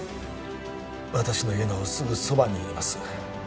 私の家のすぐそばにいます